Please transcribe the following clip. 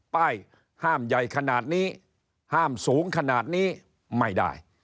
ป้ายห้ามใหญ่ขนาดนี้ห้ามสูงขนาดนี้ไม่ได้